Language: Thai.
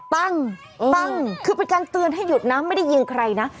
ปั้งปั้งคือเป็นการเตือนให้หยุดนะไม่ได้ยิงใครนะ